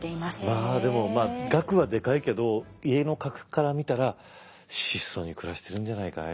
まあでも額はでかいけど家の格から見たら質素に暮らしてるんじゃないかい？